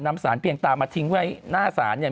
นำสารเพียงตามาทิ้งไว้หน้าศาลเนี่ย